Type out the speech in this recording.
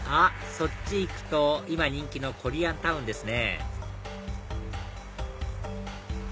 そっち行くと今人気のコリアンタウンですね